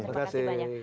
terima kasih banyak